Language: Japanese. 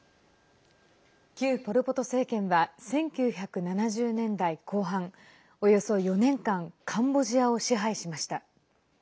旧ポル・ポト政権は１９７０年代後半およそ４年間カンボジアを支配しました。